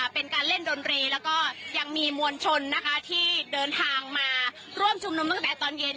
เป็นการเล่นดนตรีแล้วก็ยังมีมวลชนนะคะที่เดินทางมาร่วมชุมนุมตั้งแต่ตอนเย็น